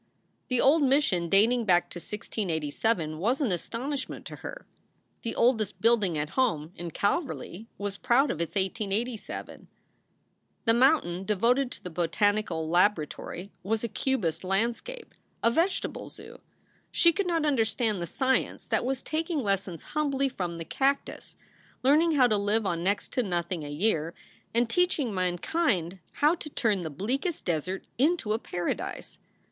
The old mission dating back to 1687 was an astonishment to her. (The oldest building at home in Calverly was proud of its 1887.) The mountain devoted to the Botanical Laboratory was a cubist landscape, a vegetable zoo. She could not understand the science that was taking lessons humbly from the cactus, learning how to live on next to nothing a year, and teaching mankind how to turn the bleakest desert into a paradise.